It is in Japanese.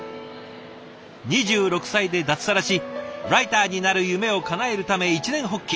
２６歳で脱サラしライターになる夢をかなえるため一念発起。